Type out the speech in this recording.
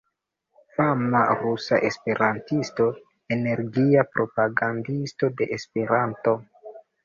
Fama rusa esperantisto, energia propagandisto de Esperanto.